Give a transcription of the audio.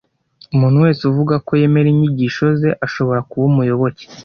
Umuntu wese uvuga ko yemera inyigisho ze ashobora kuba umuyoboke